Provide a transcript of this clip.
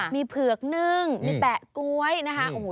มีเผือกนึ่งมีแปะก๊วยนะคะ